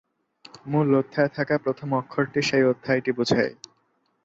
মূল অধ্যায়ে থাকা প্রথম অক্ষরটি সেই অধ্যায়টি বোঝায়।